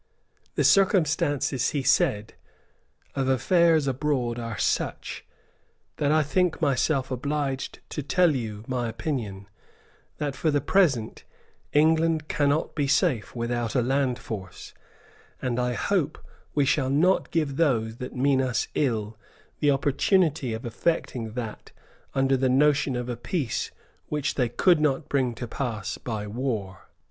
"The circumstances," he said, "of affairs abroad are such, that I think myself obliged to tell you my opinion, that, for the present, England cannot be safe without a land force; and I hope we shall not give those that mean us ill the opportunity of effecting that under the notion of a peace which they could not bring to pass by war."